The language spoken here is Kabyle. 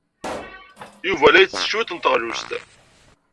Yuba la yettess cwiṭ n teɣlust.